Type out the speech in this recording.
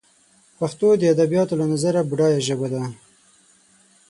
پښتو دادبیاتو له نظره بډایه ژبه ده